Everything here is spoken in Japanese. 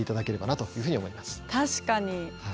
確かに。